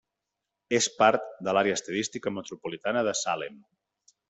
És part de l'Àrea Estadística Metropolitana de Salem.